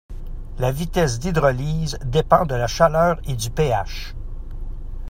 La vitesse d'hydrolyse dépend de la chaleur et du pH.